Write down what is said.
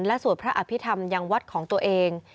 และสวดพระอภิษฐรรมยังวัดของตัวเอง